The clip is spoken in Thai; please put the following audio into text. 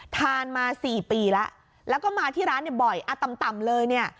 ทานมา๔ปีแล้วแล้วก็มาที่ร้านเนี่ยบ่อยอ่ะต่ำเลยเนี่ย